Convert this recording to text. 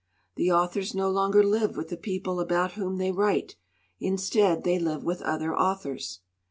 "The authors no longer live with the people about whom they write. Instead, they live with other authors.